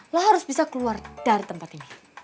lo harus bisa keluar dari tempat ini